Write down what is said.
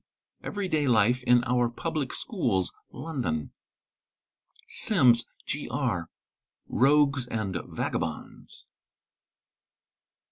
—Every day life in our Public Schools, London. Sims (G. R) —Rogues and Vagabonds.